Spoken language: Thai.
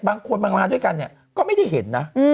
บางคนบางมาด้วยกันเนี่ยก็ไม่ได้เห็นนะ